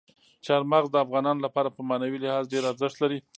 چار مغز د افغانانو لپاره په معنوي لحاظ ډېر ارزښت لري.